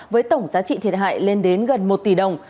với tổng giá trị thiệt hại lên đến gần một tỷ đồng